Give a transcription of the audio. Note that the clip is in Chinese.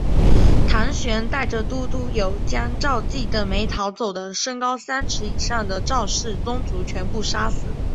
唐玹带着郡督邮将赵岐等没逃走的身高三尺以上的赵氏宗族全部杀死。